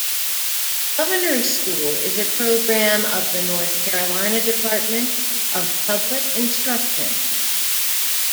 Governor's School is a program of the North Carolina Department of Public Instruction.